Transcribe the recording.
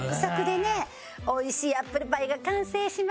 美味しいアップルパイが完成します。